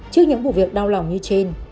trước những vụ việc đau lòng như trên